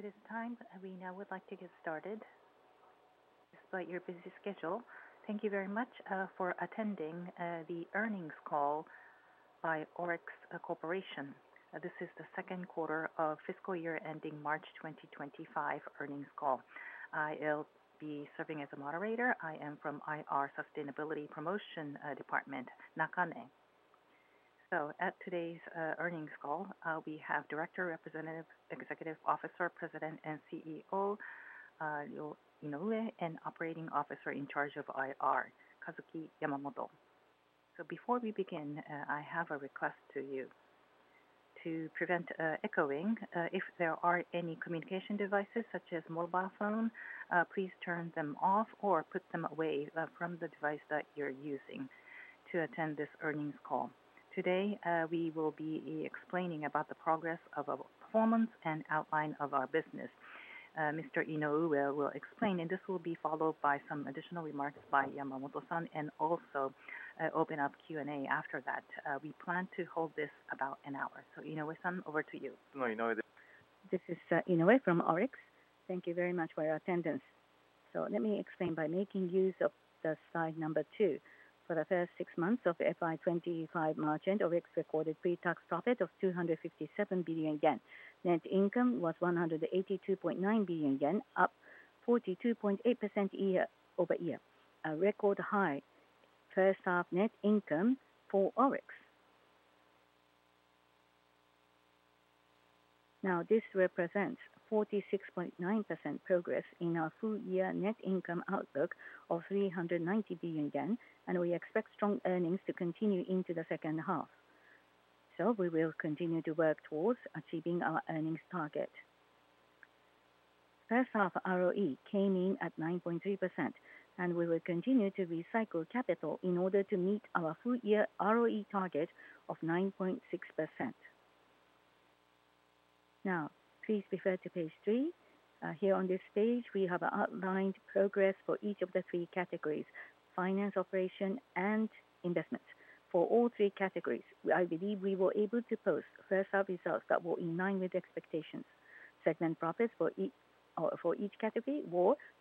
Since it is time, we now would. Like to get started despite your busy schedule. Thank you very much for attending the earnings call by ORIX Corporation. This is the second quarter of fiscal year ending March 2025 Earnings Call. I will be serving as a moderator. I am from IR Sustainability Promotion Department, Nakane. At today's earnings call, we have Director, Representative Executive Officer, President and CEO Ryo Inoue and Operating Officer in charge of IR, Kazuki Yamamoto. Before we begin, I have a request to you to prevent echoing. If there are any communication devices such as mobile phone, please turn them off or put them away from the device that you're using to attend this earnings call. Today we will be explaining about the progress of performance and outline of our business. Mr. Inoue will explain and this will be followed by some additional remarks by Yamamoto-san and also open up Q&A. After that we plan to hold this about an hour, so Inoue-san, over to you. This is Inoue from ORIX. Thank you very much for your attendance. So let me explain by making use of the slide number 2. For the first six months of FY25 March, ORIX recorded pre-tax profit of 257 billion yen. Net income was 180 billion yen, up 42.8% year over year, a record high first half net income for ORIX. Now this represents 46.9% progress in our full year net income outlook of 390 billion yen, and we expect strong earnings to continue into the second half. So we will continue to work towards achieving our earnings target. First half ROE came in at 9.3% and we will continue to recycle capital in order to meet our full year ROE target of 9.6%. Now please refer to page 3. Here on this page we have outlined progress for each of the three categories. Finance, Operations and Investments. For all three categories, I believe we were able to post first half results that were in line with expectations. Segment profits for each category.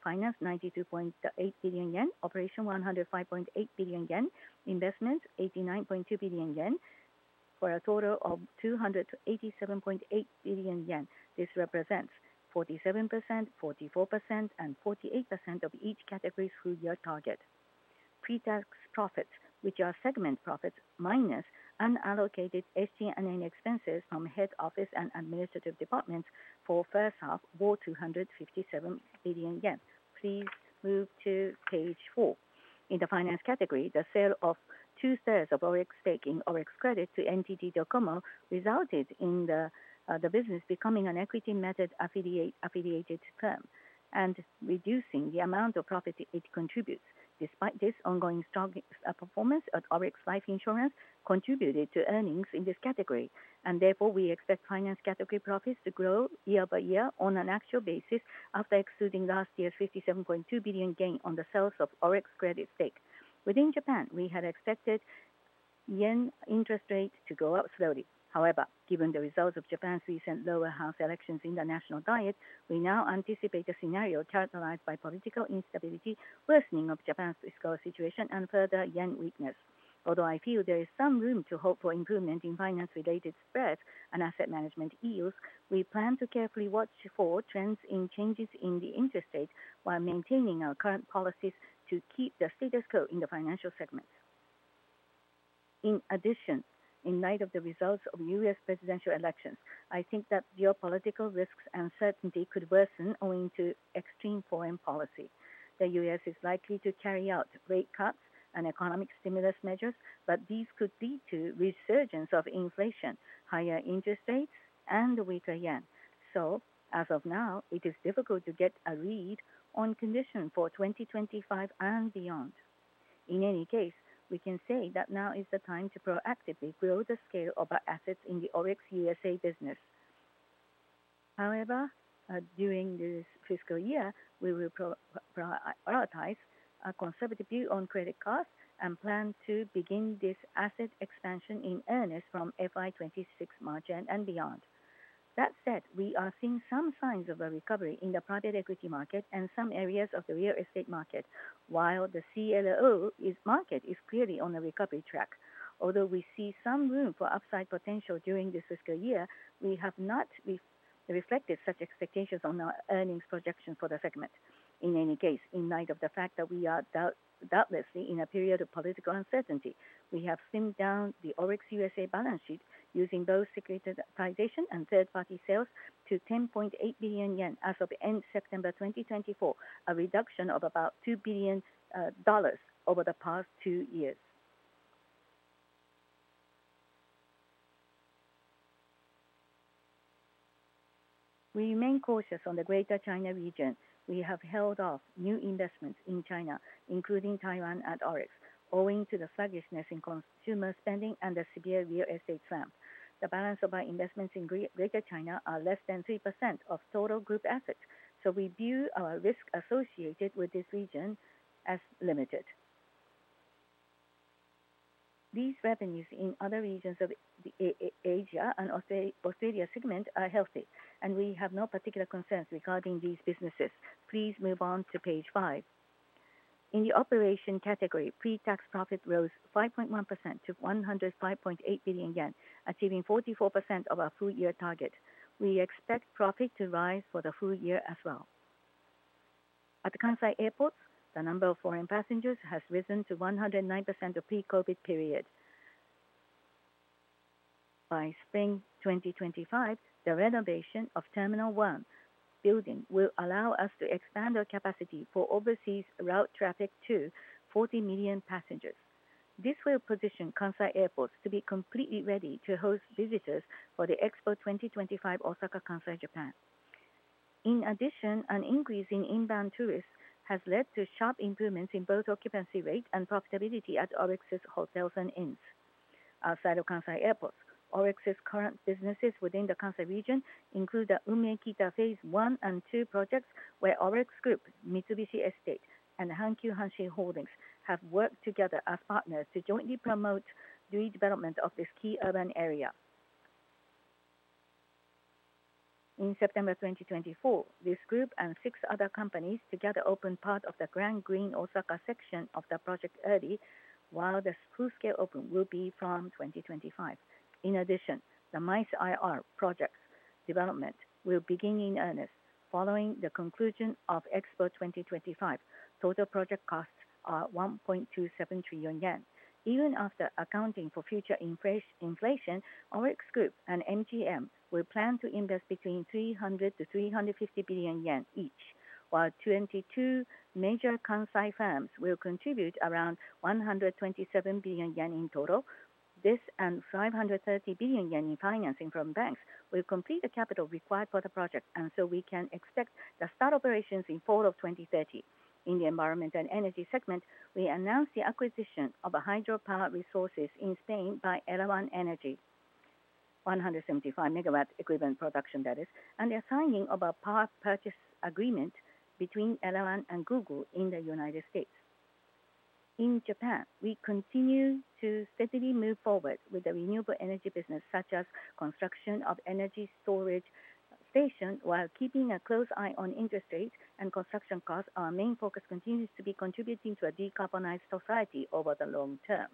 Finance 92.8 billion yen Operation 105.8 billion yen Investments 89.2 billion yen for a total of 287.8 billion yen. This represents 47%, 44% and 48% of each category. Full year target pre-tax profits which are segment profits minus unallocated SG&A expenses from head office and administrative departments for first half was 257 billion yen. Please move to page 4. In the finance category, the sale of 2/3 of ORIX stake in ORIX Credit to NTT DOCOMO resulted in the business becoming an Equity Method affiliated firm and reducing the amount of profit it contributes. Despite this, ongoing strong performance at ORIX Life Insurance contributed to earnings in this category and therefore we expect finance category profits to grow in year by year on an actual basis. After excluding last year's 57.2 billion gain on the sales of ORIX's credit stake within Japan, we had expected yen interest rate to go up slowly. However, given the results of Japan's recent Lower House elections in the National Diet, we now anticipate a scenario characterized by political instability, worsening of Japan's fiscal situation and further yen weakness. Although I feel there is some room to hope for improvement in finance related spread and asset management yields, we plan to carefully watch for trends in changes in the interest rate while maintaining our current policies to keep the status quo in the financial segment. In addition, in light of the results of U.S. Presidential elections, I think that geopolitical risks and certainty could worsen. Owing to extreme foreign policy, the U.S. is likely to carry out rate cuts and economic stimulus measures, but these could lead to resurgence of inflation, higher interest rates and the weaker yen. So as of now, it is difficult to get a read on conditions for 2025 and beyond. In any case, we can say that now is the time to proactively grow the scale of our assets in the ORIX USA business. However, during this fiscal year we will prioritize a conservative view on credit cards and plan to begin this asset expansion in earnest from FY26 margin and beyond. That said, we are seeing some signs of a recovery in the private equity market and some areas of the real estate market. While the CLO market is clearly on a recovery track. Although we see some room for upside potential during this fiscal year, we have not reflected such expectations on our earnings projections for the segment. In any case, in light of the fact that we are doubtless in a period of political uncertainty, we have slimmed down the ORIX USA balance sheet in using both securitization and third party sales to 10.8 billion yen as of end September 2024, a reduction of about $2 billion over the past two years. We remain cautious on the Greater China region. We have held off new investments in China including Taiwan at ORIX, owing to the sluggishness in consumer spending and the severe real estate slump. The balance of our investments in Greater China are less than 3% of total group assets, so we view our risk associated with this region as limited. These revenues in other regions of Asia and Australia segment are healthy and we have no particular concerns regarding these businesses. Please move on to page 5 in the operation category. Pre-tax profit rose 5.1% to 105.8 billion yen, achieving 44% of our full year target. We expect profit to rise for the full year as well. At Kansai Airport, the number of foreign passengers has risen to 109% of pre-COVID period by spring 2025. The renovation of Terminal 1 building will allow us to expand our capacity for overseas route traffic to 40 million passengers. This will position Kansai Airports to be completely ready to host visitors for the Expo 2025 Osaka, Kansai, Japan. In addition, an increase in inbound tourists has led to sharp improvements in both occupancy rate and profitability at ORIX's hotels and inns outside of Kansai airports. ORIX's current businesses within the Kansai region include the Umekita Phase one and two projects where ORIX Group, Mitsubishi Estate and Hankyu Hanshin Holdings have worked together as partners to jointly promote redevelopment of this key urban area. In September 2024, this group and six other companies together opened part of the Grand Green Osaka section of the project early, while the full scale open will be from 2025. In addition, the MICE IR project development will begin in earnest following the conclusion of Expo 2025. Total project costs are 1.27 trillion yen. Even after accounting for future inflation, ORIX Group and MGM will plan to invest between 300 billion-350 billion yen each, while 22 major Kansai firms will contribute around 127 billion yen in total. This and 530 billion yen in financing from banks will complete the capital required for the project and so we can expect the start operations in fall of 2030. In the environment and energy segment, we announced the acquisition of hydropower resources in Spain by Elawan Energy. 175 megawatt equipment production, that is and the signing of a power purchase agreement between Elawan and Google in the United States. In Japan, we continue to steadily move forward with the renewable energy business such as construction of energy storage station, while keeping a close eye on interest rates and construction costs. Our main focus continues to be contributing to a decarbonized society over the long term.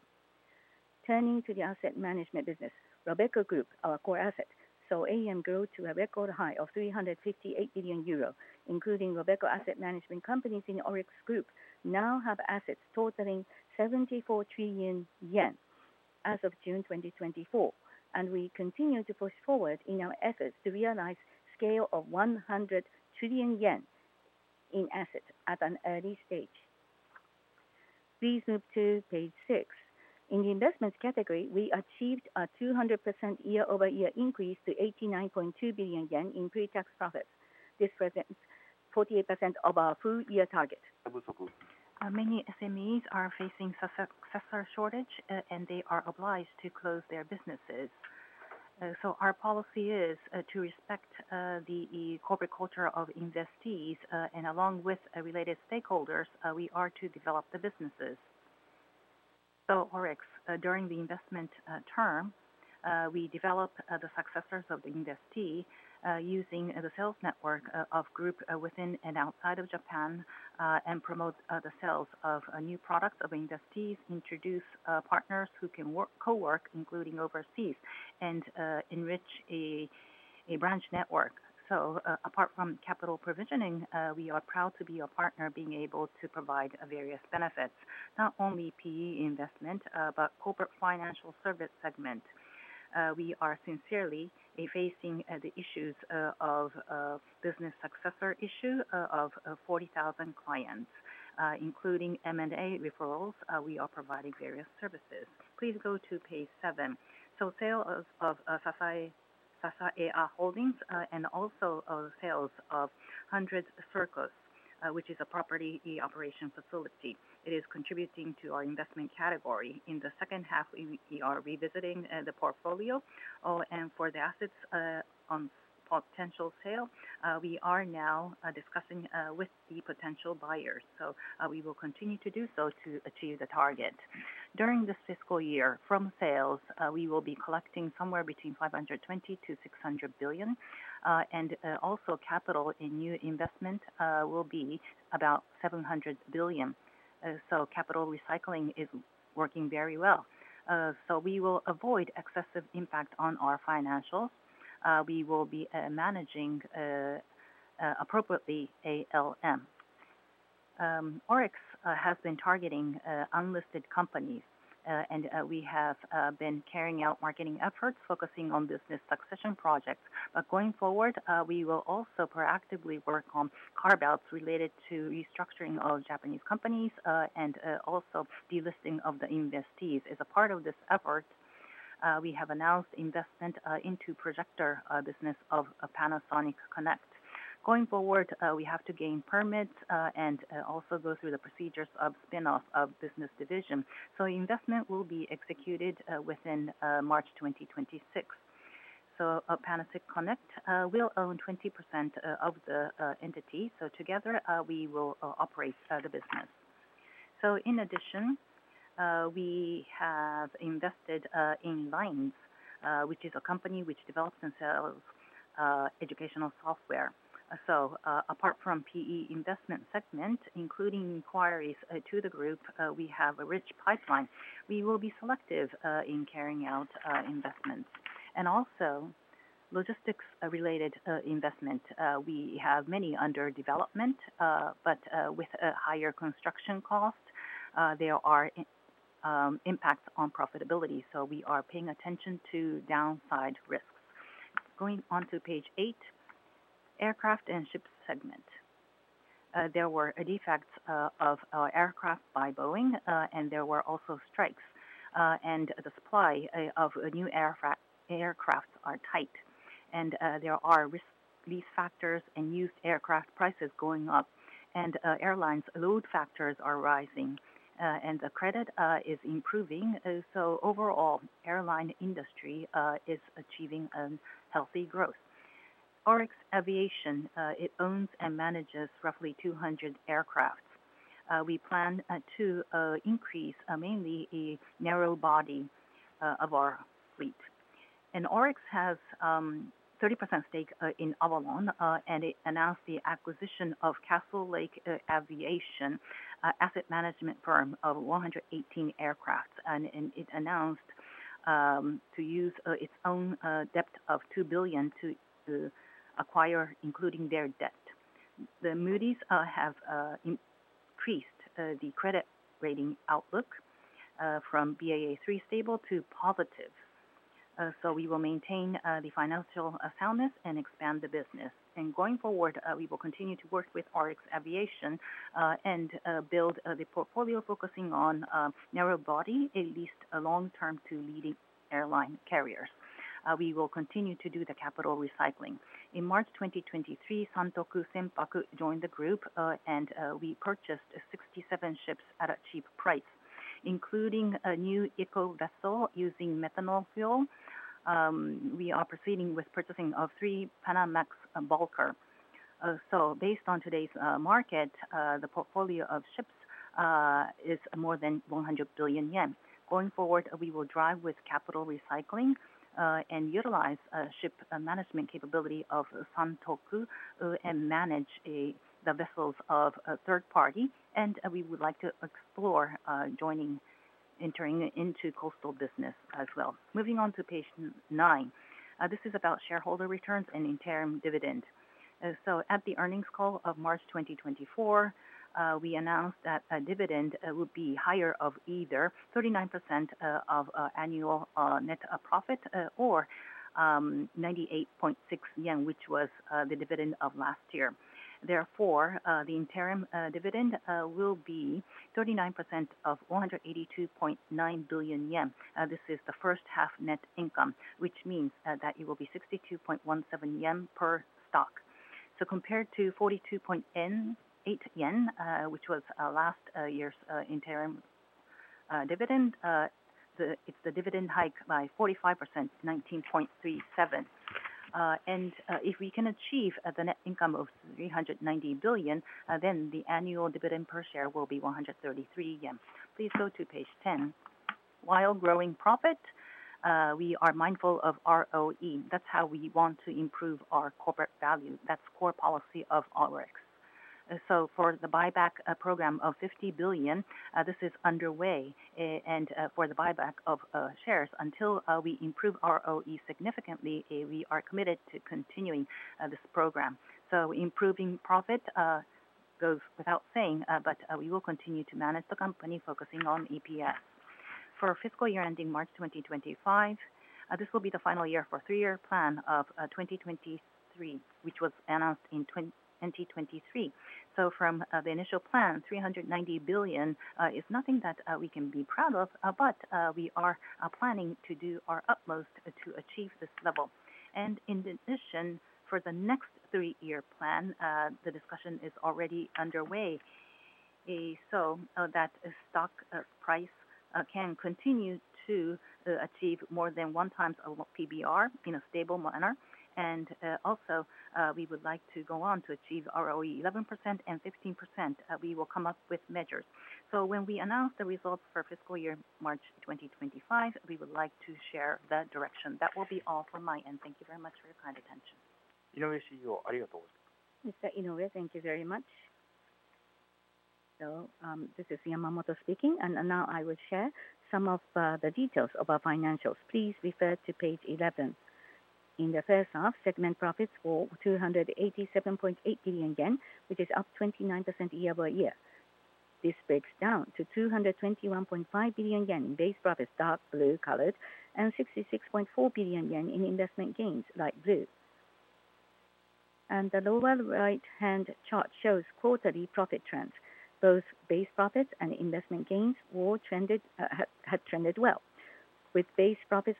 Turning to the asset management business, Robeco, our core asset saw AUM grow to a record high of 358 billion euro. Including Robeco asset management companies in ORIX Group now have assets totaling 74 trillion yen as of June 2024 and we continue to push forward in our efforts to realize scale of 100 trillion yen in assets at an early stage. Please move to page 6. In the investments category, we achieved a 200% year-over-year increase to 89.2 billion yen in pre-tax profits. This represents 48% of our full-year target. Many SMEs are facing successor shortage and they are obliged to close their businesses, so our policy is to respect the corporate culture of investees and along with related stakeholders we are to develop the businesses, so ORIX during the investment term we develop the successors of the industry using the sales network of group within and outside of Japan and promote the sales of new products of industries, introduce partners who can work cowork including overseas and enrich a branch network, so apart from capital provisioning, we are proud to be a partner being able to provide various benefits. Not only PE investment but corporate financial service segment. We are sincerely facing the issues of business successor issue of 40,000 clients including M&A referrals. We are providing various services. Please go to page 7. Sale of F.A. Holdings and also sales of 100 Circus, which is a property operation facility. It is contributing to our investment category. In the second half we are revisiting the portfolio and for the assets on potential sale, we are now discussing with the potential buyers. We will continue to do so to achieve the target during this fiscal year. From sales we will be collecting somewhere between 520-600 billion and also capital in new investment will be about 700 billion. Capital recycling is working very well. We will avoid excessive impact on our financials. We will be managing appropriately ALM. ORIX has been targeting unlisted companies and we have been carrying out marketing efforts focusing on business succession projects, but going forward we will also proactively work on carve-outs related to restructuring of Japanese companies and also delisting of the investees. As a part of this effort, we have announced investment into projector business of Panasonic Connect. Going forward, we have to gain permits and also go through the procedures of spinoff of business division. So investment will be executed within March 2026. So Panasonic Connect will own 20% of the entity. So together we will operate the business. So in addition, we have invested in Lines which is a company which develops and sells educational software. So apart from PE investment segment, including inquiries to the group, we have a rich pipeline. We will be selective in carrying out investments and also logistics related investment. We have many under development but with a higher construction cost. There are impacts on profitability so we are paying attention to downside risks. Going on to page 8. Aircraft and Ship segment. There were defects of aircraft by Boeing and there were also strikes and the supply of new aircraft are tight. There are these factors and used aircraft prices going up and airlines load factors are rising and the credit is improving. Overall airline industry is achieving healthy growth. ORIX Aviation owns and manages roughly 200 aircraft. We plan to increase mainly a narrow body of our fleet. ORIX has 30% stake in Avolon. It announced the acquisition of Castlelake Aviation asset management firm of 118 aircraft. It announced to use its own debt of $2 billion to acquire including their debt. Moody's has increased the credit rating outlook from Baa3 stable to positive. We will maintain the financial soundness and expand the business. Going forward we will continue to work with ORIX Aviation and build the portfolio focusing on narrow body at least long term to leading airline carriers. We will continue to do the capital recycling. In March 2023, Santoku Senpaku joined the group and we purchased 67 ships at a cheap price including a new Eco vessel using methanol fuel. We are proceeding with purchasing of three Panamax bulker. Based on today's market, the portfolio of ships is more than 100 billion yen. Going forward, we will drive with capital recycling and utilize ship management capability of Santoku and manage the vessels of a third party. We would like to explore entering into coastal business as well. Moving on to page nine. This is about shareholder returns and interim dividend. At the earnings call of March 2024, we announced that a dividend would be higher of either 39% of annual net profit or 98.6 yen which was the dividend of last year. Therefore, the interim dividend will be 39% of 182.9 billion yen. This is the first half net income which means that it will be 62.17 yen per share. So compared to 42.8 yen which was last year's interim dividend, it's the dividend hike by 45% 19.8. And if we can achieve the net income of 390 billion, then the annual dividend per share will be 133 yen. Please go to page 10. While growing profit, we are mindful of ROE. That's how we want to improve our corporate value. That's core policy of ORIX. So for the buyback program of 50 billion, this is underway. And for the buyback of shares, until we improve ROE significantly, we are committed to continuing this program. So improving profit goes without saying. But we will continue to manage the company focusing on EPS for fiscal year ending March 2025. This will be the final year for three-year plan of 2023 which was announced in 2023. So from the initial plan 390 billion is nothing that we can be proud of, but we are planning to do our utmost to achieve this level. And in addition for the next three-year plan the discussion is already underway so that stock price can continue to achieve more than one times PBR in a stable manner. And also we would like to go on to achieve ROE 11% and 15%. We will come up with measures so when we announce the results for fiscal year March 2025, we would like to share the direction. That will be all from my end. Thank you very much for your kind attention. Mr. Inoue. Thank you very much. This is Yamamoto speaking and now I will share some of the details of our financials. Please refer to page 11. In the first half, segment profits were 287.8 billion yen which is up 29% year by year. This breaks down to 221.5 billion yen in base profits dark blue colored and 66.4 billion yen in investment gains light blue and the lower right-hand chart shows quarterly profit trends. Both base profits and investment gains had trended well with base profits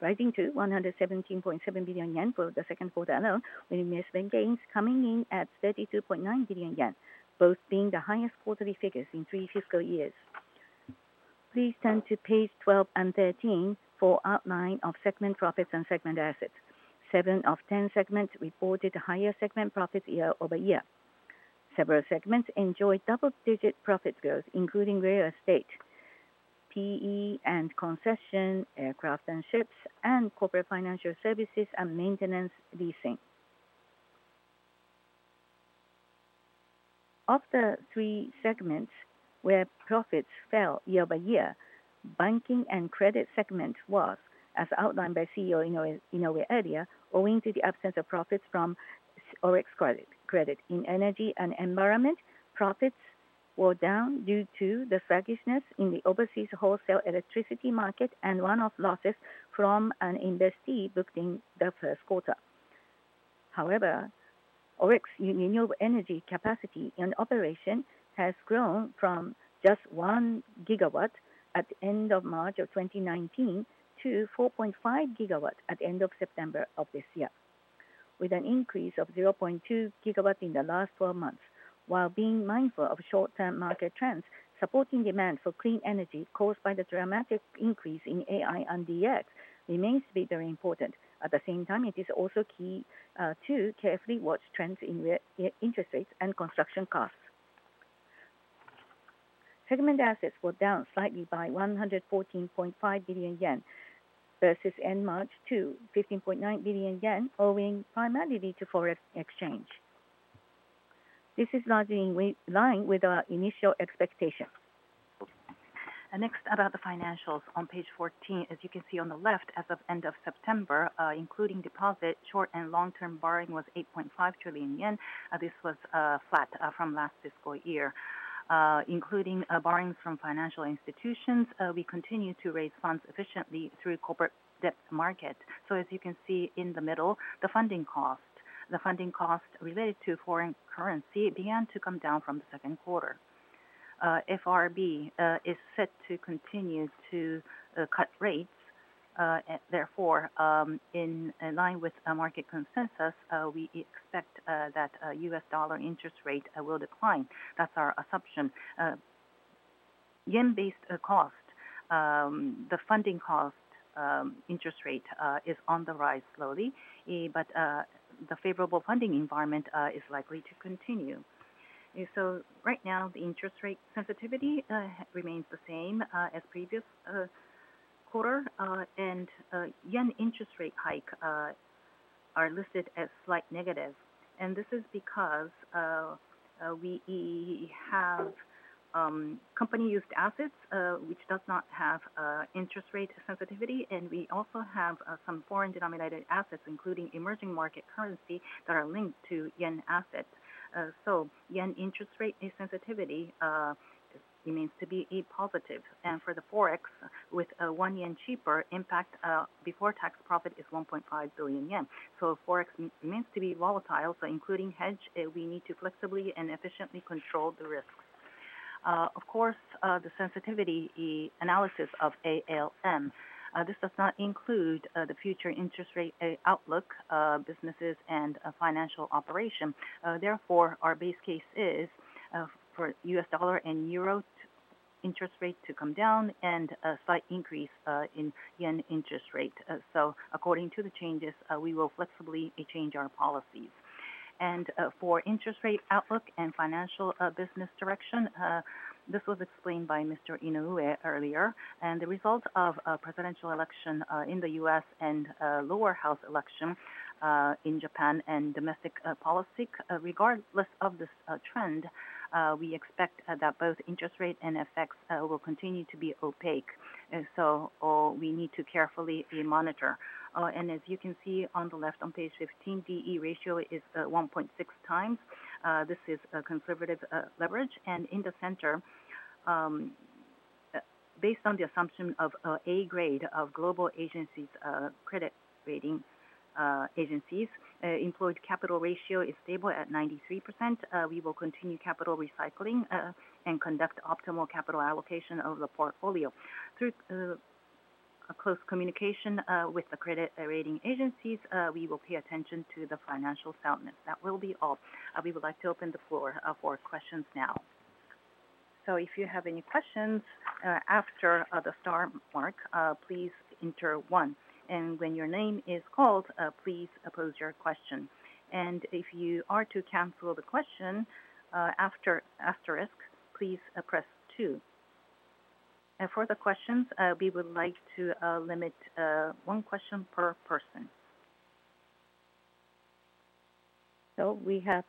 rising to 117.7 billion yen for the second quarter annual with investment gains coming in at 32.9 billion yen, both being the highest quarterly figures in three fiscal years. Please turn to page 12 and 13 for outline of segment profits and segment assets. Seven of 10 segments reported higher segment profits year over year. Several segments enjoyed double-digit profit growth including real estate, PE and concession, aircraft and ships and corporate financial services and maintenance leasing. Of the three segments where profits fell year by year, banking and credit segment was as outlined by CEO Inoue earlier, owing to the absence of profits from ORIX Credit. In Energy and environment, profits were down due to the sluggishness in the overseas wholesale electricity market and one-off losses were from an investee booked in the first quarter. However, ORIX's renewable energy capacity in operation has grown from just one gigawatt at the end of March of 2019 to 4.5 gigawatts at the end of September of this year with an increase of 0.2 gigawatts in the last 12 months. While being mindful of short-term market trends supporting demand for clean energy caused by the dramatic increase in the remains to be very important. At the same time, it is also key to carefully watch trends in interest rates and construction costs. Segment Assets were down slightly by 114.5 billion yen versus end-March to 15.9 billion yen owing primarily to foreign exchange. This is largely in line with our initial expectation. Next, about the Financials on page 14. As you can see on the left, as of end of September, including deposits, short- and long-term borrowings was 8.5 trillion yen. This was flat from last fiscal year including borrowings from financial institutions. We continue to raise funds efficiently through corporate debt market. So as you can see in the middle, the funding cost. The funding cost related to foreign currency began to come down from the second quarter. FRB is set to continue to cut rates. Therefore, in line with market consensus, we expect that US dollar interest rate will decline. That's our assumption. Yen-based cost, the funding cost interest rate, is on the rise slowly but the favorable funding environment is likely to continue. So right now the interest rate sensitivity remains the same as previous quarter and yen interest rate hike are listed as slight negative. And this is because we have company used assets which does not have interest rate sensitivity. And we also have some foreign denominated assets including emerging market currency that are linked to yen assets. So yen interest rate sensitivity remains to be a positive, and for the forex with one yen cheaper impact before tax profit is 1.5 billion yen. So forex means to be volatile. So including hedge, we need to flexibly and efficiently control the risk. Of course, the sensitivity analysis of ALM this does not include the future interest rate outlook, businesses and financial operation. Therefore, our base case is for US dollar and Euro interest rate to come down and a slight increase in yen interest rate. So according to the changes, we will flexibly change our policy and for interest rate outlook and financial business direction. This was explained by Mr. Inoue earlier and the result of a presidential election in the U.S. and lower house election in Japan and domestic policy. Regardless of this trend, we expect that both interest rate and effects will continue to be opaque. So we need to carefully monitor, and as you can see on the left on page 15, the ratio is 1.6 times. This is a conservative leverage, and in the center, based on the assumption of A-grade from global credit rating agencies, employed capital ratio is stable at 93%. We will continue capital recycling and conduct optimal capital allocation of the portfolio through close communication with the credit rating agencies. We will pay attention to the financial soundness. That will be all. We would like to open the floor for questions now. So if you have any questions after the star mark, please enter one, and when your name is called, please pose your question. If you are to cancel the question after asterisk, please press 2. And for the questions, we would like to limit one question per person. So we have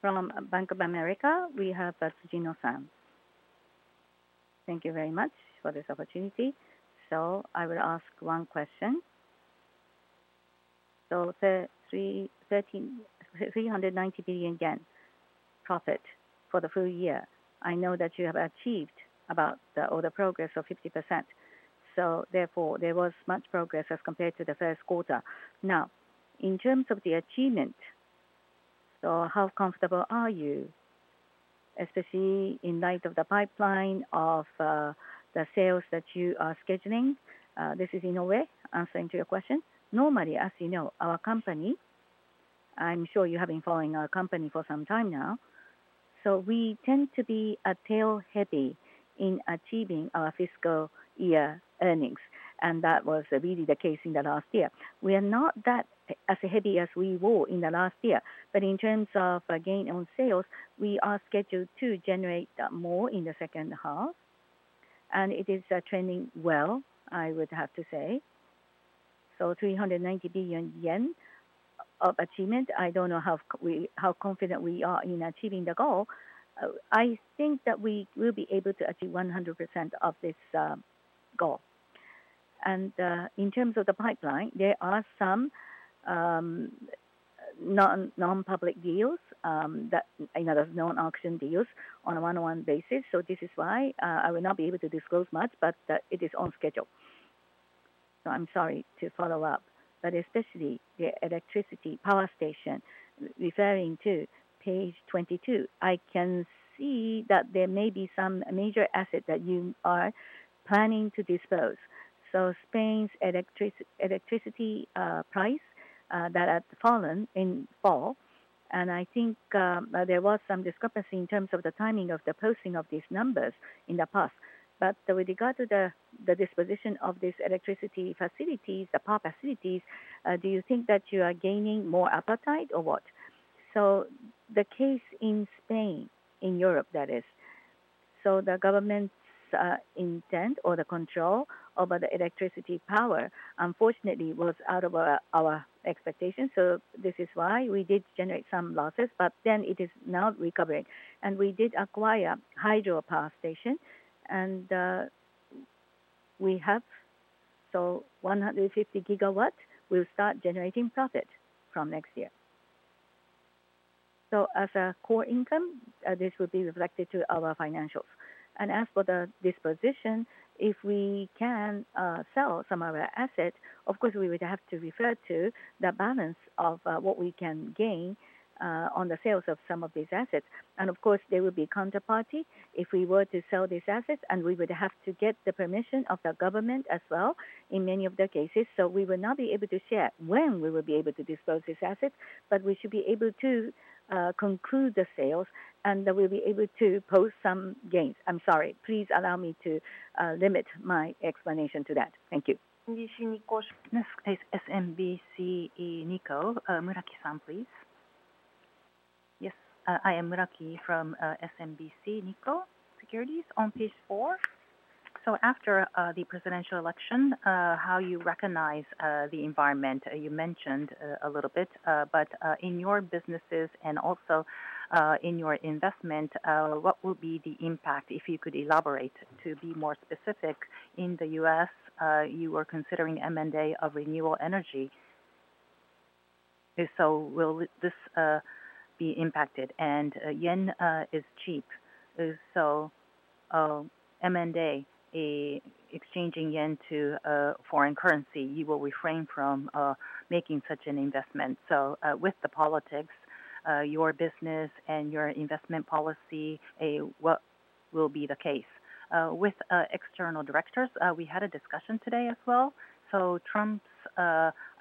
from Bank of America. Thank you very much for this opportunity. So I will ask one question. For the 3,390 billion yen profit for the full year. I know that you have achieved about 50% progress. So therefore there was much progress as compared to the first quarter. Now in terms of the achievement. So how comfortable are you, especially in light of the pipeline of the sales that you are scheduling? This is in a way answering to your question. Normally, as you know our company, I'm sure you have been following our company for some time now. So we tend to be tail heavy in achieving our fiscal year earnings. And that was really the case in the last year. We are not as heavy as we were in the last year. But in terms of gain on sales, we are scheduled to generate more in the second half, and it is trending well. I would have to say so. 390 billion yen of achievement. I don't know how confident we are in achieving the goal. I think that we will be able to achieve 100% of this goal. In terms of the pipeline, there are some non-public deals. There's non-auction deals on a one-on-one basis. This is why I will not be able to disclose much. It is on schedule. I'm sorry to follow up. Especially the electric power station. Referring to page 22, I can see that there may be some major asset that you are planning to dispose. Spain's electricity price that had fallen in and I think there was some discrepancy in terms of the timing of the posting of these numbers in the past. But with regard to the disposition of this electricity facilities, the power facilities, do you think that you are gaining more appetite or what? The case in Spain, in Europe, that is, the government's intent or the control over the electricity power unfortunately was out of our expectations. This is why we did generate some losses. But then it is now recovering and we did acquire hydropower station and we have 150 gigawatts that will start generating profit from next year. As a core income this would be reflected to our financials. As for the disposition and if we can sell some of our assets, of course we would have to refer to the balance of what we can gain on the sales of some of these assets. And of course there would be counterparty if we were to sell these assets and we would have to get the permission of the government as well in many of the cases. So we will not be able to share when we will be able to dispose of this asset. But we should be able to conclude the sales and that we will be able to post some gains. I'm sorry, please allow me to limit my explanation to that. Thank you. SMBC Nikko Muraki-san, please. Yes, I am Muraki from SMBC Nikko Securities on page four. So after the presidential election, how you recognize the environment you mentioned a little bit. But in your businesses and also in your investment, what will be the impact? If you could elaborate to be more specific, in the U.S. you are considering M and A of renewable energy. So will this be impacted? And yen is cheap, so M and A exchanging yen to foreign currency, you will refrain from making such an investment. So with the politics, your business and your investment policy, what will be the case with external directors? We had a discussion today as well. So Trump's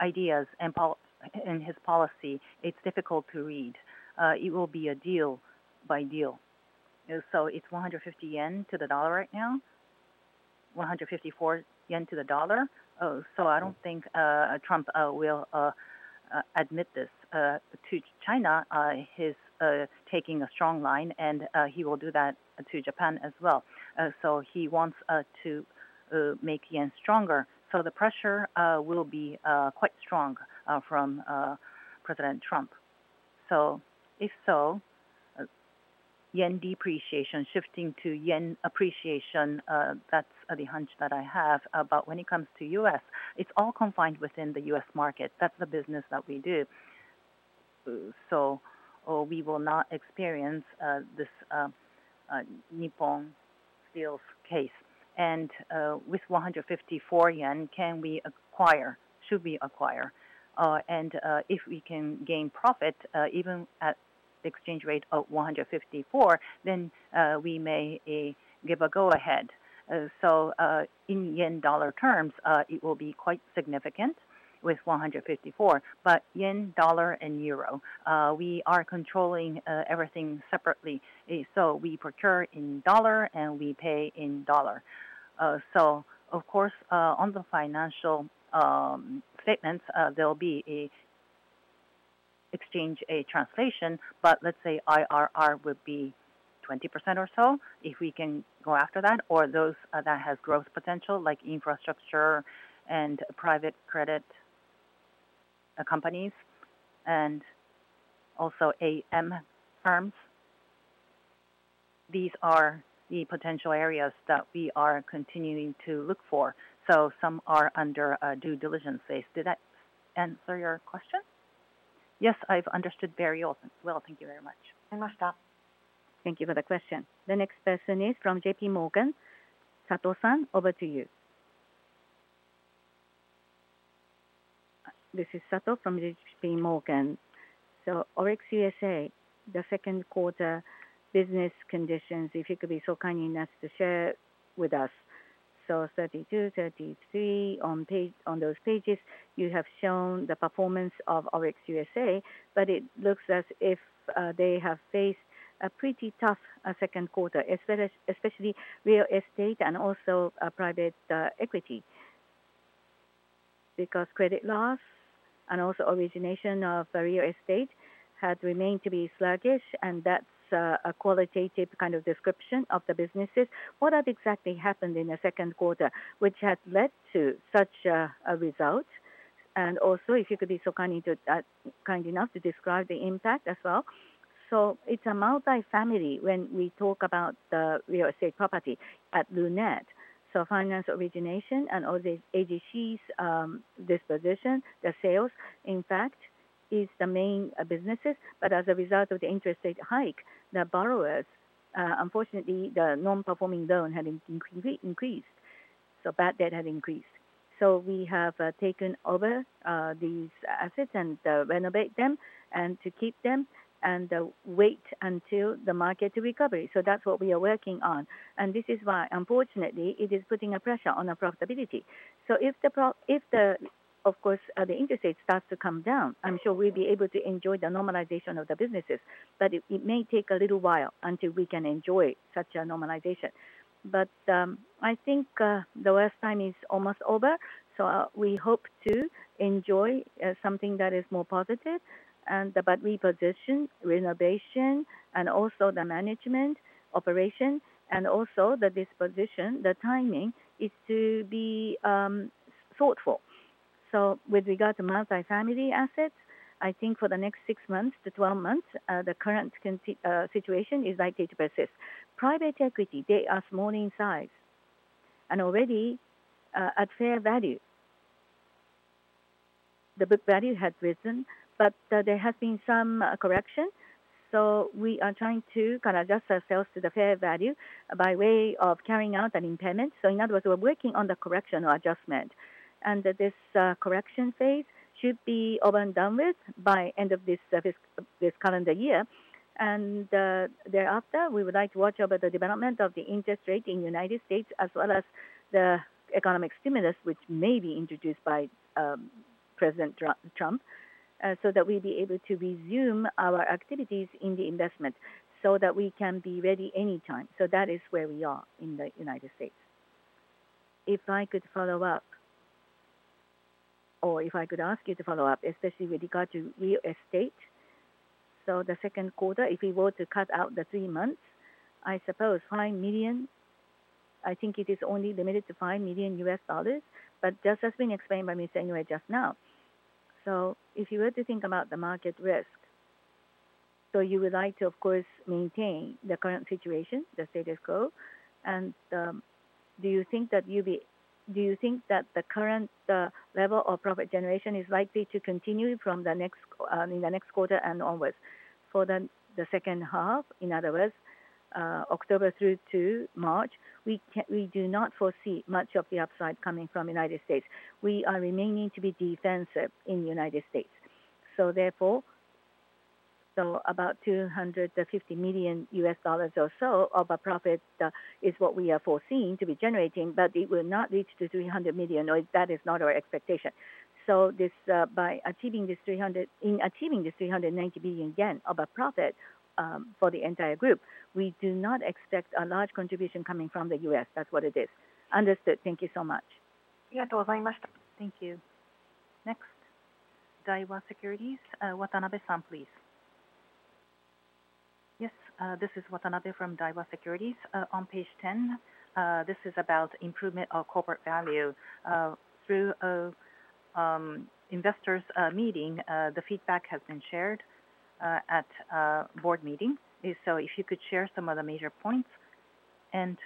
ideas and his policy, it's difficult to read. It will be a deal by deal. So it's 150 yen to the dollar right now, 154 yen to the dollar. So I don't think Trump will admit this to China. He's taking a strong line and he will do that to Japan as well. So he wants to make yen stronger. So the pressure will be quite strong from President Trump. So if so, yen depreciation, shifting to yen appreciation. That's the hunch that I have about. When it comes to us, it's all confined within the U.S. market. That's the business that we do. So we will not experience this Nippon Steel case. And with 154 yen, can we acquire? Should we acquire? And if we can gain profit even at exchange rate of 154, then we may give a go ahead. So in yen-dollar terms, it will be quite significant with 154. But yen-dollar and euro, we are controlling everything separately. So we procure in dollar and we pay in dollar. So, of course, on the financial statements there will be an exchange, a translation, but let's say IRR would be 20% or so. If we can go after that. Or those that has growth potential, like infrastructure and private credit companies, and also AM firms, these are the potential areas that we are continuing to look for. So some are under due diligence phase. Did that answer your question? Yes, I've understood very often. Well, thank you very much. Thank you for the question. The next person is from JPMorgan. Sato-san, over to you. This is Sato from JPMorgan. So ORIX USA the second quarter business conditions if you could be so kind enough to share with us. So 32, 33 on those pages you have shown the performance of ORIX USA. But it looks as if they have faced a pretty tough second quarter, especially real estate and also private equity because credit loss and also origination of real estate had remained to be sluggish. And that's a qualitative kind of description of the businesses. What had exactly happened in the second quarter which had led to such a result. And also if you could be so kind into that, kind enough to describe the impact as well. So it's a multifamily. When we talk about the real estate property at Lument. Finance origination and all the ADCs' disposition, the sales in fact, is the main businesses. But as a result of the interest rate hike, the borrowers, unfortunately, the non-performing loan had increased so bad debt has increased. So we have taken over these assets and renovate them and to keep them and wait until the market to recovery. So that's what we are working on and this is why unfortunately it is putting a pressure on the profitability. So if the, of course, the interest rate starts to come down, I'm sure we'll be able to enjoy the normalization of the businesses. But it may take a little while until we can enjoy such a normalization. But I think the worst time is almost over. So we hope to enjoy something that is more positive. But reposition, renovation, and also the management operation and also the disposition, the timing is to be thoughtful. So with regard to multifamily assets, I think for the next six months to 12 months, the current situation is likely to persist. Private equity, they are small in size and already at fair value. The book value had risen, but there has been some correction. So we are trying to adjust ourselves to the fair value by way of carrying out an impairment. So in other words, we're working on the correction or adjustment and this correction phase should be over and done with by end of this fiscal this calendar year and thereafter. We would like to watch over the development of the interest rate in the United States as well as the economic stimulus which may be introduced by President Trump so that we'll be able to resume our activities in the investment so that we can be ready anytime. So that is where we are in the United States. If I could follow up or if I could ask you to follow up, especially with regard to real estate. So the second quarter, if we were to cut out the three months, I suppose $5 million I think it is only limited to $5 million but just has been explained by Mr. Inoue just now. So if you were to think about the market risk, so you would like to of course maintain the current situation, the status quo and do you think that you'll be. Do you think that the current level of profit generation is likely to continue from the next in the next quarter and onwards for the second half? In other words, October through to March we do not foresee much of the upside coming from United States. We are remaining to be defensive in the United States. So therefore about $250 million or so of a profit is what we are foreseeing to be generating. But it will not reach to 300 million or that is not our expectation. So this by achieving this 300 in achieving this 390 billion yen of a profit for the entire group, we do not expect a large contribution coming from the US that's what it is. Understood. Thank you so much. Thank you. Next, Daiwa Securities Watanabe-san, please. Yes, this is Watanabe from Daiwa Securities on page 10. This is about improvement of corporate value through investors meeting. The feedback has been shared at board meeting. So if you could share some of the major points and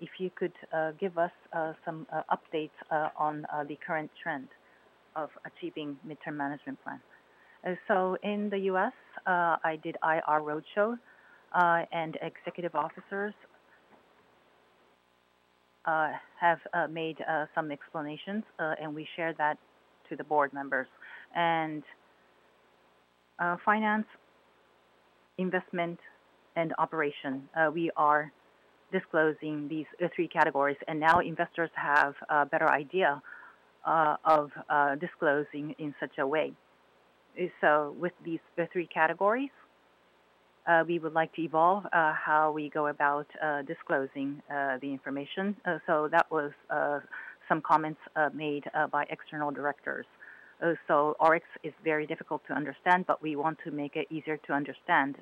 if you could give us some updates on the current trend of achieving midterm management plan. So in the U.S. I did IR roadshow and executive officers have made some explanations and we share that to the board members and finance, investment and operation. We are disclosing these three categories and now investors have a better idea of disclosing in such a way. So with these three categories, we would like to evolve how we go about disclosing the information. So that was some comments made by external directors. ORIX is very difficult to understand, but we want to make it easier to understand.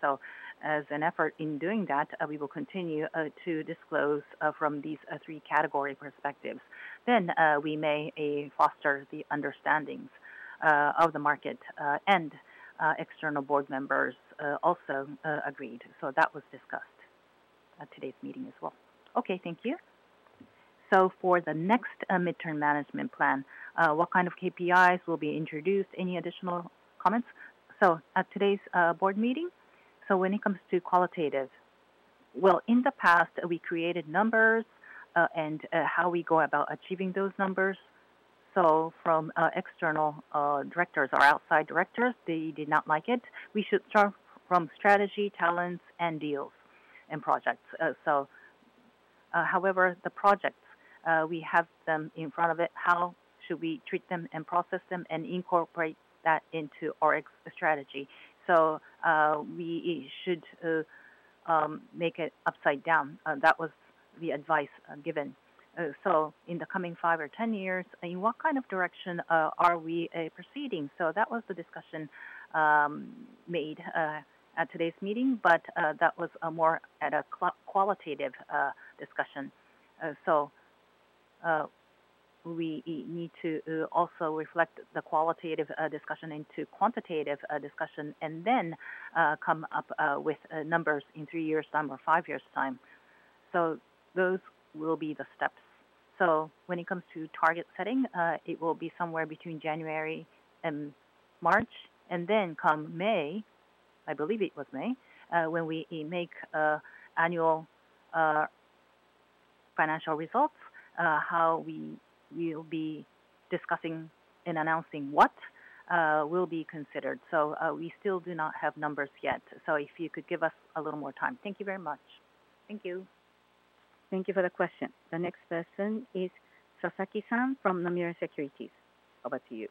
So as an effort in doing that, we will continue to disclose from these three category perspectives. Then we may foster the understandings of the market and external board members also agreed. So that was discussed at today's meeting as well. Okay, thank you. So for the next midterm management plan, what kind of KPIs will be introduced? Any additional comments? So at today's board meeting. So when it comes to qualitative, well, in the past we created numbers and how we go about achieving those numbers. So from external directors or outside directors, they did not like it. We should start from strategy, talents and deals and projects. However, the projects we have them in front of it. How should we treat them and process them and incorporate that into our existence strategy. So we should make it upside down. That was the advice given. So in the coming five or 10 years, in what kind of direction are we proceeding? So that was the discussion made at today's meeting. But that was a more at a qualitative discussion. So we need to also reflect the qualitative discussion into quantitative discussion and then come up with numbers in three years time or five years time. So those will be the steps. So when it comes to target setting, it will be somewhere between January and March and then come May. I believe it was May. When we make annual financial results, how we will be discussing and announcing what will be considered. So we still do not have numbers yet. So if you could give us a little more time. Thank you very much. Thank you. Thank you for the question. The next person is Sasaki San from Nomura Securities. Over to you.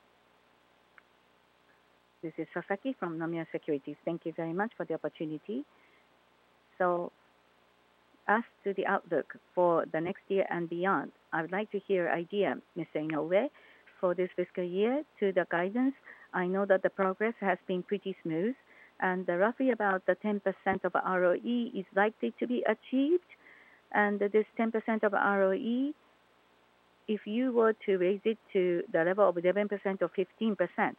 This is Sasaki from Nomura Securities. Thank you very much for the opportunity. As to the outlook for the next year and beyond, I would like to hear from Mr. Inoue for this fiscal year to the guidance. I know that the progress has been pretty smooth and roughly about the 10% ROE is likely to be achieved. And this 10% ROE, if you were to raise it to the level of 11% or 15%,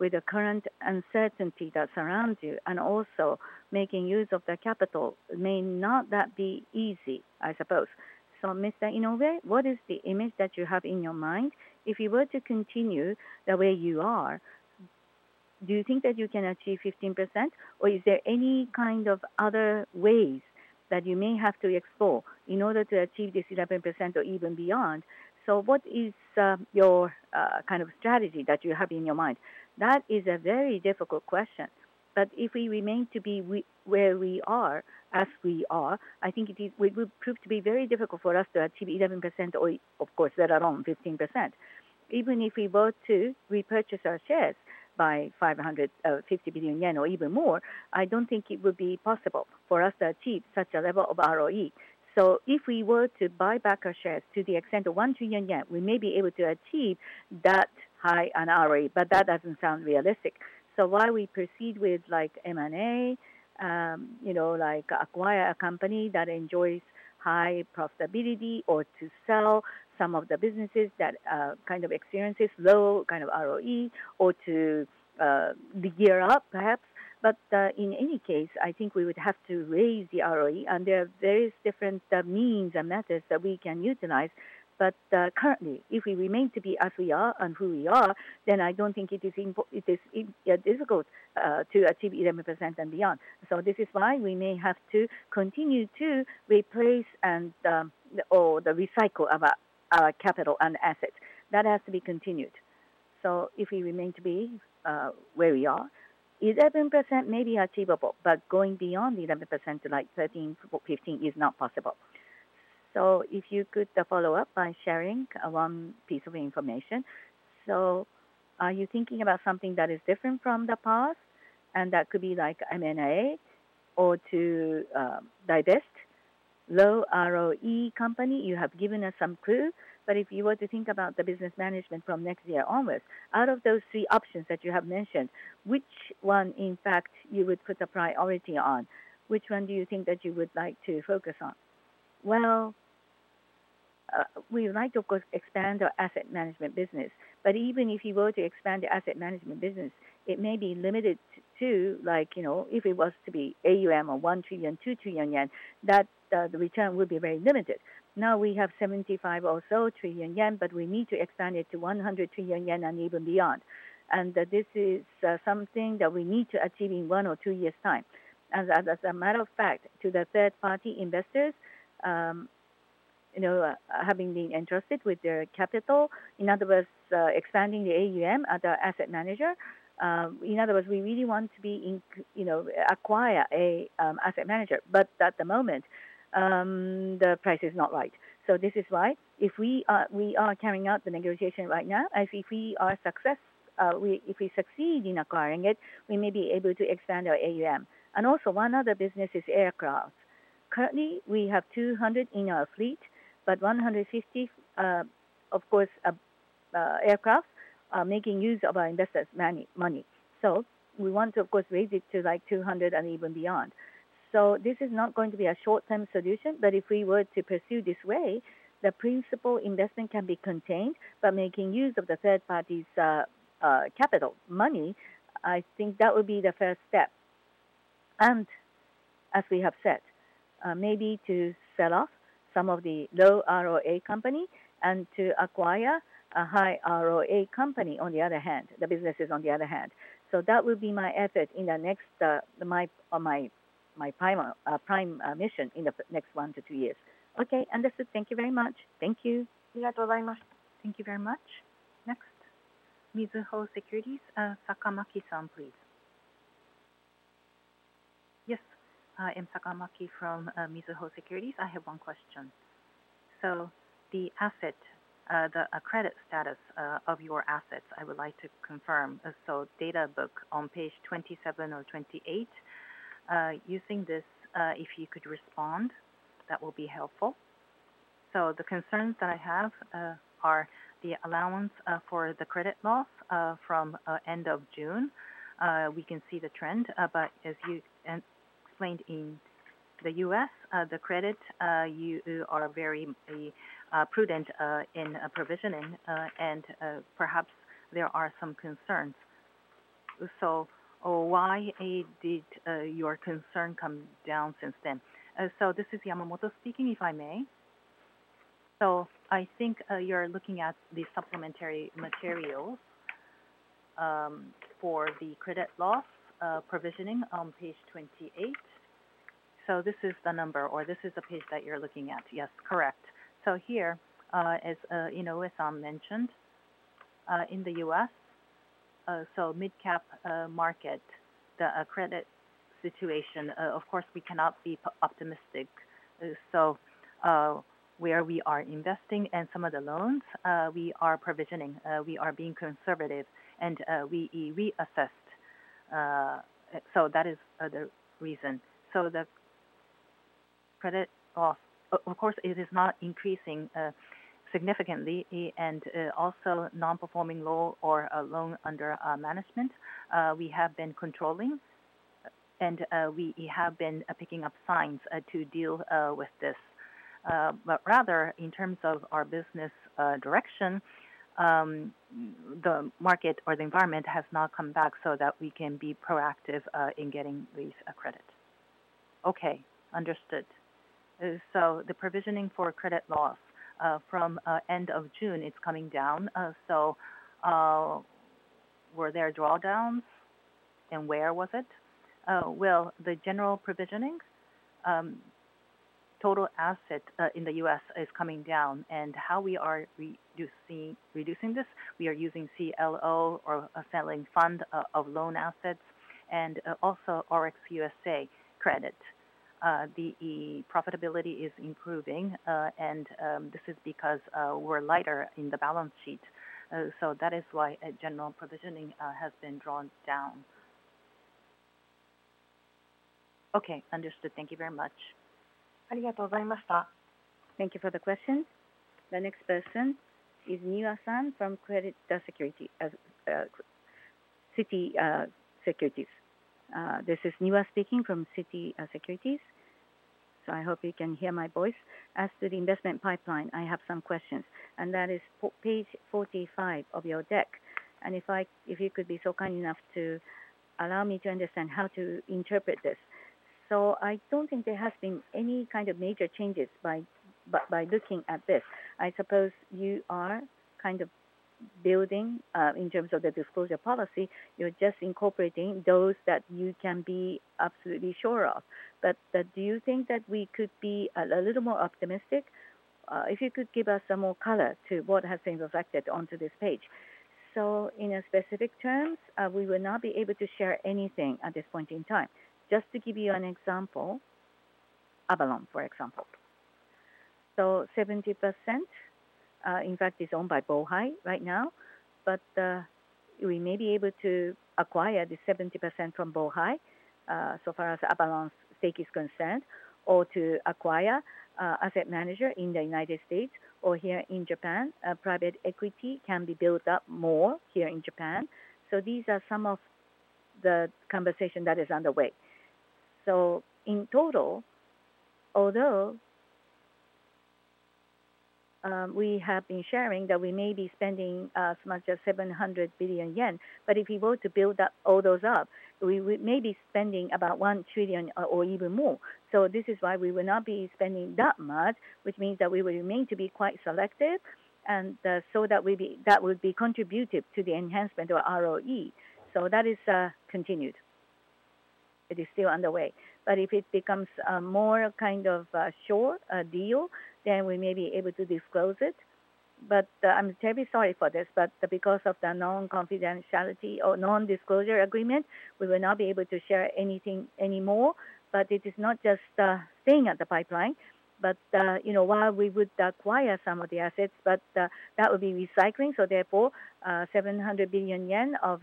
with the current uncertainty that surrounds you and also making use of the capital, may not that be easy? I suppose so. Mr. Inoue, what is the image that you have in your mind? If you were to continue the way you are, do you think that you can achieve 15%? Or is there any kind of other ways that you may have to explore in order to achieve this 11% or even beyond? So what is your kind of strategy that you have in your mind? That is a very difficult question. But if we remain to be where we are, as we are, I think it would prove to be very difficult for us to achieve 11% or of course let alone 15%. Even if we were to repurchase our shares by 550 billion yen or even more, I don't think it would be possible for us to achieve such a level of ROE. So if we were to buy back our shares to the extent of 1-2 trillion yen, we may be able to achieve that high an ROE. But that doesn't sound realistic. So why we proceed with like M and A, you know, like acquire a company that enjoys high profitability or to sell some of the businesses that kind of experience low kind of ROE, or to degear up perhaps. But in any case, I think we would have to raise the ROE and there are various different means and methods that we can utilize. But currently, if we remain to be as we are and who we are, then I don't think it is difficult to achieve 11% and beyond. So this is why we may have to continue to replace and recycle of our capital and assets that has to be continued. So if we remain to be where we are, 11% may be achievable. But going beyond 11% like 13-15% is not possible. So if you could follow up by sharing one piece of information. Are you thinking about something that is different from the past and that could be like MNA or to divest low ROE company? You have given us some clue. But if you were to think about the business management from next year onwards, out of those three options that you have mentioned, which one in fact is you would put the priority on which one do you think that you would like to focus on? We would like to expand our asset management business. But even if you were to expand the asset management business, it may be limited to like you know, if it was to be a one trillion-two trillion yen, that the return would be very limited. Now we have 75 or so trillion yen, but we need to extend it to 100 trillion yen and even beyond. And this is something that we need to achieve in one or two years' time. As a matter of fact, to the third party investors, you know, having been entrusted with their capital, in other words, expanding the AUM as an asset manager, in other words, we really want to be, you know, acquire an asset manager. But at the moment the price is not right. So this is why if we are carrying out the negotiation right now as if we are successful, if we succeed in acquiring it, we may be able to expand our AUM. And also one other business is aircraft. Currently we have 200 in our fleet, but 150, of course aircraft making use of our investors' money. So we want to of course raise it to like 200 and even beyond. So this is not going to be a short-term solution. But if we were to pursue this way, the principal investment can be contained by making use of the third party's capital money. I think that would be the first step and as we have said, maybe to sell off some of the low ROA company and to acquire a high ROA company on the other hand, the businesses, on the other hand. So that will be my effort in the next, my prime mission in the next two years. Okay, understood. Thank you very much. Thank you. Thank you very much. Next, Mizuho Securities Sakamaki san, please. Yes, I am Sakamaki from Mizuho Securities. I have one question. So the asset, the credit status of your assets I would like to confirm. So data book on page 27 or 28 using this, if you could respond that will be helpful. So the concerns that I have are the allowance for the credit loss from end of June we can see the trend. But as you explained in the U.S. the credit you are very prudent in provisioning and perhaps there are some concerns. So why did your concern come down since then? So this is Yamamoto speaking, if I may. So I think you're looking at the supplementary materials for the credit loss provisioning on page 28. So this is the number or this is the page that you're looking at? Yes, correct. So here is, you know as I mentioned, in the U.S. so mid cap market the credit situation of course we cannot be optimistic. So where we are investing and some of the loans we are provisioning, we are being conservative and we reassessed. So that is the reason. So that credit of course it is not increasing significantly and also non-performing loan or loan under management we have been controlling and we have been picking up signs to deal with this. But rather in terms of our business direction, the market or the environment has not come back so that we can be proactive in getting these credit. Okay, understood. So the provisioning for credit loss from end of June is coming down. So were there drawdowns and where was it? The general provisioning total asset in the U.S. is coming down and how we are reducing this, we are using CLO or a selling fund of loan assets and also ORIX USA credit, the profitability is improving and this is because we're lighter in the balance sheet, so that is why general provisioning has been drawn down. Okay, understood. Thank you very much. Thank you for the question. The next person is Niwa-san from Citigroup. This is Niwa speaking from Citigroup. So I hope you can hear my voice as to the investment pipeline. I have some questions and that is page 45 of your deck. And if you could be so kind enough to allow me to understand how to interpret this. So I don't think there has been any kind of major changes by looking at this. I suppose you are kind of building in terms of the disclosure policy, you're just incorporating those that you can be absolutely sure of. But do you think that we could be a little more optimistic if you could give us some more color to what has been reflected onto this page. In specific terms, we will not be able to share anything at this point in time. Just to give you an example, for example, 70% in fact is owned by Bohai right now. But we may be able to acquire the 70% from Bohai so far as Avolon stake is concerned or to acquire asset manager in the United States or here in Japan. Private equity can be built up more here in Japan. So these are some of the conversation that is underway. So in total, although we have been sharing that we may be spending as much as 700 billion yen, but if you were to build all those up, we may be spending about 1 trillion or even more. So this is why we will not be spending that much, which means that we will remain to be quite selective. That would be contributive to the enhancement of ROE. That is continued; it is still underway. If it becomes more kind of short deal, then we may be able to disclose it. I'm terribly sorry for this, but because of the non-confidentiality or non-disclosure agreement, we will not be able to share anything anymore. It is not just staying at the pipeline, but you know, while we would acquire some of the assets, that would be recycling. Therefore, 700 billion yen of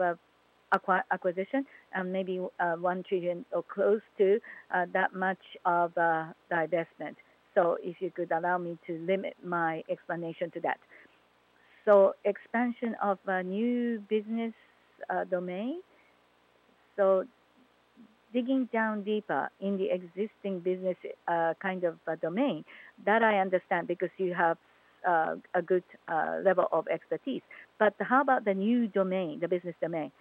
acquisition and maybe 1 trillion JPY or close to that much of divestment. If you could allow me to limit my explanation to that. Expansion of new business domain. Digging down deeper in the existing business kind of domain that I understand because you have a good level of expertise. But how about the new domain, the business domain?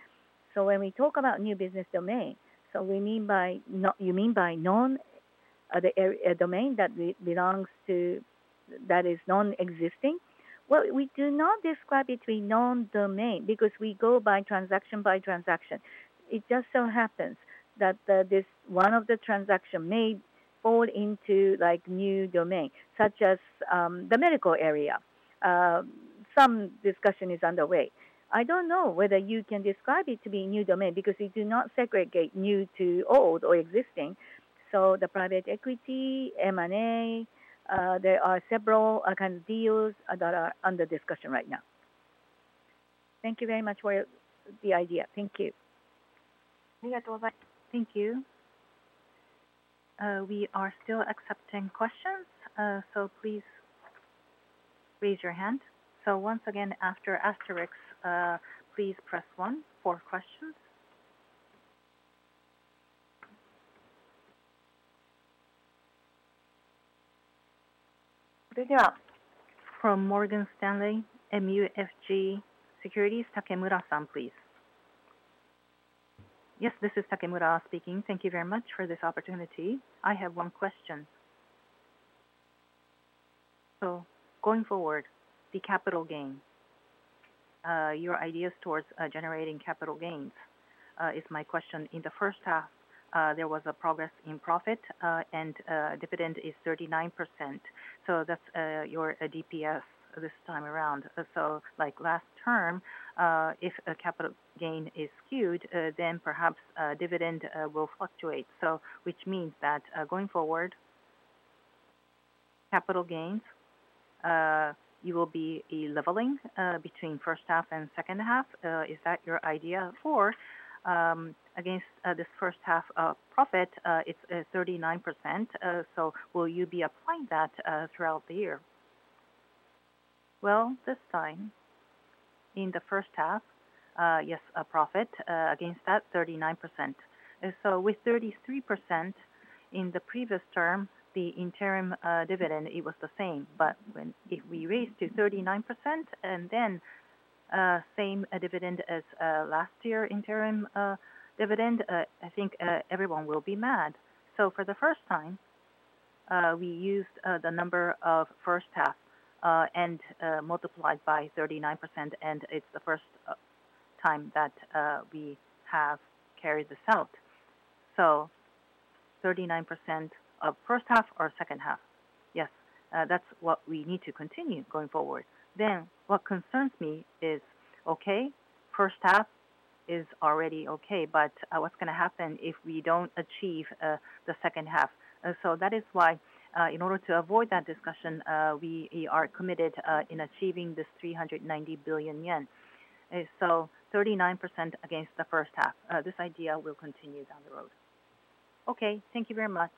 So when we talk about new business domain. So you mean by non domain that belongs to that is non existing? Well, we do not describe it to be non domain because we go by transaction by transaction. It just so happens that this one of the transactions may fall into like new domain such as the medical area. Some discussion is underway. I don't know whether you can describe it to be new domain because you do not segregate new to old or existing. So the private equity M and A, there are several kind of deals that are under discussion right now. Thank you very much for your idea. Thank you. Thank you. We are still accepting questions, so please raise your hand. So once again after asterisk, please press 1 for questions. From Morgan Stanley MUFG Securities Takemura-san, please. Yes, this is Takemura speaking. Thank you very much for this opportunity. I have one question. So going forward, the capital gain, your ideas towards generating capital gains is my question. In the first half there was a progress in profit and dividend is 39%. So that's your DPS this time around. So like last term, if a capital gain is skewed, then perhaps dividend will fluctuate. So which means that going forward, capital gains you will be leveling between first half and second half. Is that your idea for against this first half of profit? It's 39%. So will you be applying that throughout the year? This time in the first half, yes, a profit against that 39%. So with 33% in the previous term, the interim dividend, it was the same. But if we raised to 39% and then same dividend as last year interim dividend, I think everyone will be mad. So for the first time we used the number of first half and multiplied by 39%. It's the first time that we have carried this out. So 39% of first half or second half? Yes, that's what we need to continue going forward. What concerns me is okay, first half is already okay. But what's going to happen if we don't achieve the second half? So that is why in order to avoid that discussion, we are committed in achieving this 390 billion yen. So 39% against the first half. This idea will continue down the road. Okay, thank you very much.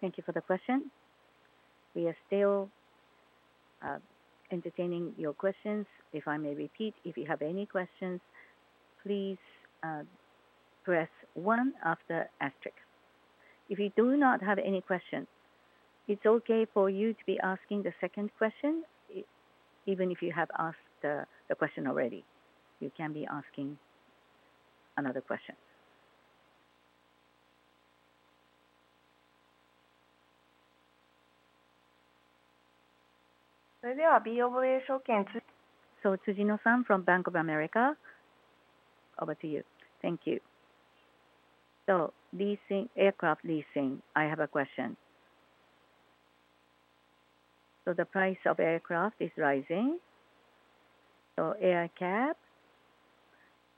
Thank you for the question. We are still entertaining your questions. If I may repeat, if you have any questions, please press 1 after asterisk. If you do not have any question, it's okay for you to be asking the second question. Even if you have asked the question already, you can be asking another question. So, Tsujino-san from Bank of America over to you. Thank you. So leasing aircraft. Leasing. I have a question. So the price of aircraft is rising. So AerCap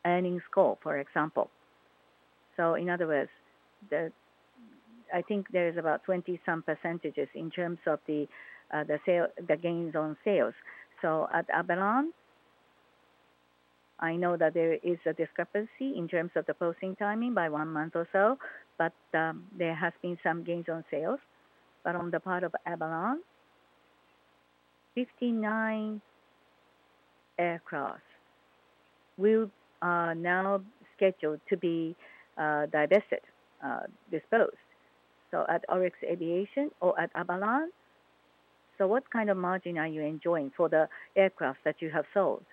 earnings score, for example. So in other words, I think there is about 20-some% in terms of the gains on sales. So at Avolon, I know that there is a discrepancy in terms of the closing timing by one month or so. But there has been some gains on sales. But on the part of Avolon, 59 aircraft will now schedule to be divested disposed. So at ORIX Aviation or at Avolon. So what kind of margin are you enjoying for the aircraft that you have sold?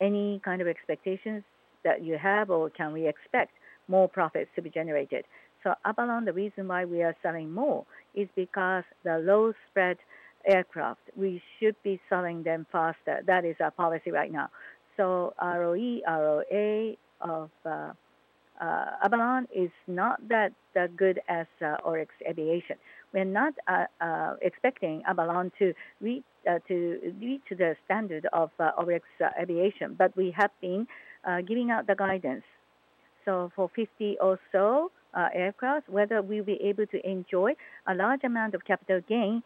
Any kind of expectations that you have or can we expect more profits to be generated? So Avolon, the reason why we are selling more is because the low spread aircraft, we should be selling them faster. That is our policy right now. So ROE ROA of Avolon is not that good as ORIX Aviation. We're not expecting Avolon to reach the standard of ORIX Aviation. But we have been giving out the guidance. So for 50 or so aircraft, whether we'll be able to enjoy a large amount of capital gain,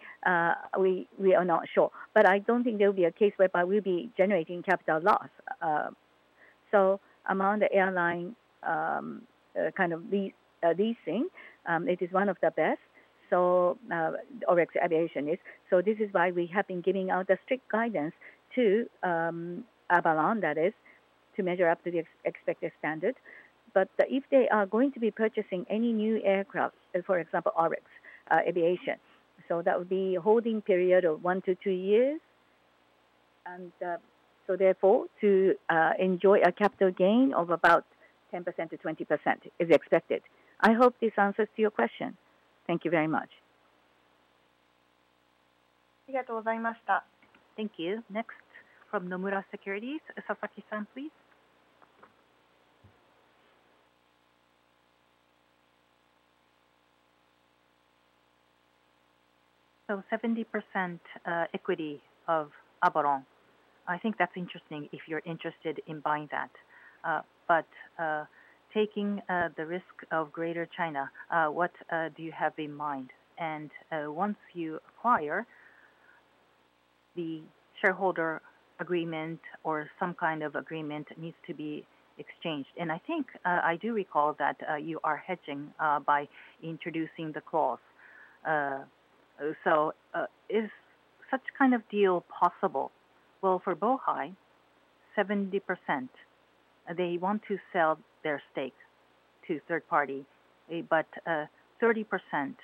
we are not sure. But I don't think there will be a case whereby we'll be generating capital loss. So among the airline kind of leasing, it is one of the best. So ORIX Aviation is. So this is why we have been giving out the strict guidance to Avolon that is to measure up to the expected standard. But if they are going to be purchasing any new aircraft, for example ORIX Aviation so that would be holding period of one to two years. So therefore to enjoy a capital gain of about 10%-20% is expected. I hope this answers to your question. Thank you very much. Thank you. Next from Nomura Securities, Sasaki please. So 70% equity of Avolon. I think that's interesting. If you're interested in buying that, but taking the risk of Greater China, what do you have in mind? And once you acquire the shareholder agreement or some kind of agreement needs to be exchanged and I think I do recall that you are hedging by introducing the clause. So is such kind of deal possible? Well, for Bohai, 70% they want to sell their stake to third party. But 30%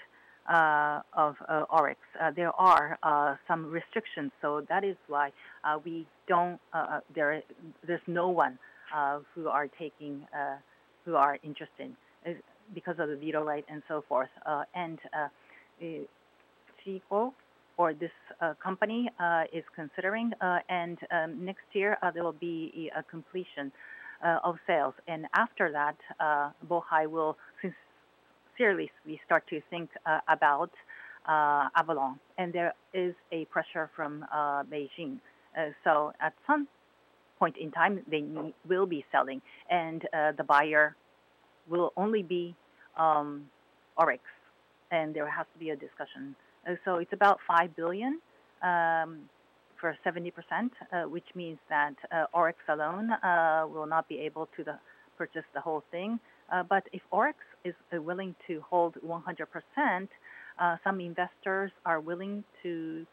of ORIX there are some restrictions. So that is why we don't. There's no one who are taking who are interested because of the veto right and so forth. And the goal or this company is considering, and next year there will be a completion of sales. After that, Bohai will hence seriously start to think about Avolon, and there is a pressure from Beijing. So at some point in time, they will be selling, and the buyer will only be ORIX, and there has to be a discussion. So it's about $5 billion for 70%, which means that ORIX alone will not be able to purchase the whole thing. But if ORIX is willing to hold 100%, some investors are willing to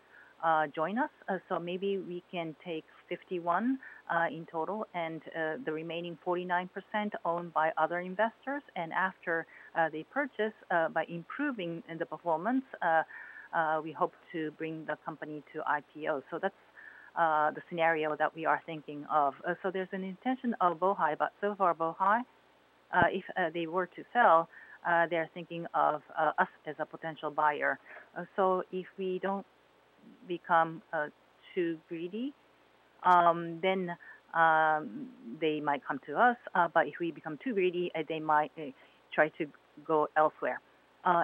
join us. So maybe we can take 51% in total, and the remaining 49% owned by other investors. And after they purchase, by improving the performance, we hope to bring the company to IPO. So that's the scenario that we are thinking of. So there's an intention of Bohai but so far behind, if they were to sell, they're thinking of us as a potential buyer. So if we don't become too greedy, then they might come to us. But if we become too greedy they might try to go elsewhere.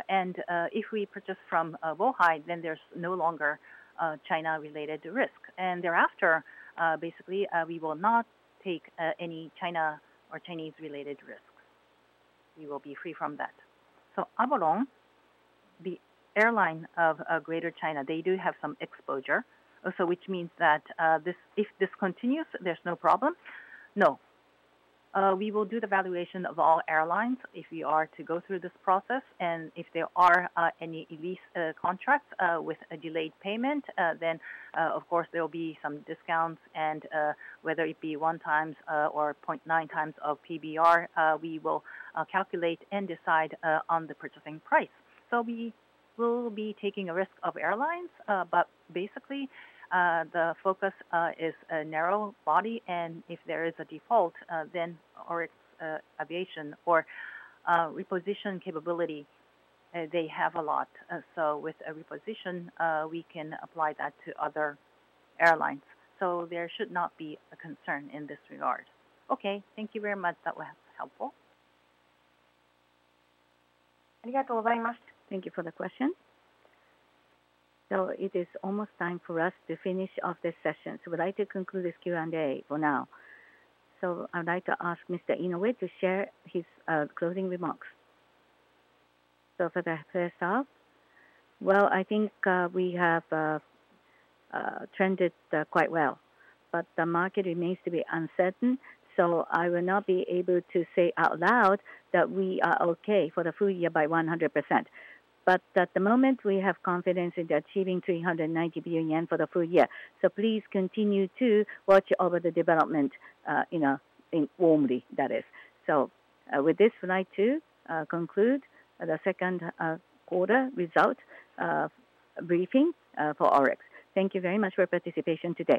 And if we purchase from Bohai, then there's no longer China-related risk. And thereafter, basically we will not take any China or Chinese-related risks. We will be free from that. So Avolon, the airline of Greater China, they do have some exposure. So which means that if this continues, there's no problem. No, we will do the valuation of all airlines. If we are to go through this process and if there are any lease contracts with a delayed payment, then of course there will be some discounts. And whether it be one times or 0.9 times of PBR, we will calculate and decide on the purchasing price. So we will be taking a risk of airlines, but basically the focus is narrow-body. And if there is a default then ORIX Aviation or repossession capability, they have a lot. So with a repossession we can apply that to other airlines. So there should not be a concern in this regard. Okay, thank you very much. That was helpful. Thank you for the question. So it is almost time for us to finish off this session, so we'd like to conclude this Q and A for now. So I'd like to ask Mr. Inoue to share his closing remarks. So, for the first half, well, I think we have trended quite well. But the market remains to be uncertain. So I will not be able to say out loud that we are okay for the full year by 100%. But at the moment we have confidence in achieving 390 billion yen for the full year. So please continue to watch over the development. You know, warmly, that is. So with this, we would like to conclude the second quarter results briefing for ORIX. Thank you very much for participation today.